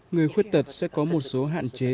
người khuyết tật sẽ có một số hạn chế